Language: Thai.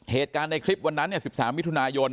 เหตุการณ์ในคลิปวันนั้น๑๓มิถุนายน